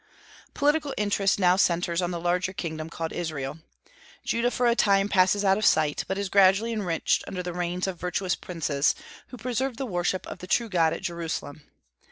Political interest now centres in the larger kingdom, called Israel. Judah for a time passes out of sight, but is gradually enriched under the reigns of virtuous princes, who preserved the worship of the true God at Jerusalem.